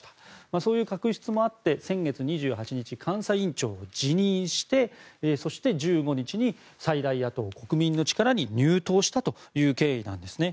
そういう確執もあって先月２８日、監査院長を辞任してそして１５日に最大野党・国民の力に入党したという経緯なんですね。